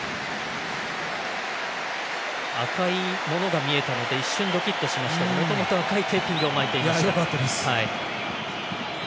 赤いものが見えたので一瞬、ドキッとしましたがもともと赤いテーピングを巻いていました。